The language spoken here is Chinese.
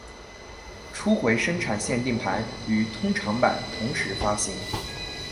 初回生产限定盘与通常版同时发行。